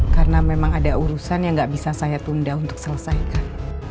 karena memang ada urusan yang nggak bisa saya tunda untuk selesaikan